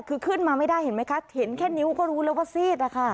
คือขึ้นมาไม่ได้เห็นไหมคะเห็นแค่นิ้วก็รู้แล้วว่าซีดนะคะ